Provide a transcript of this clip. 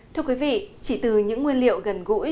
thưa quý vị chỉ từ những nguyên liệu gần gũi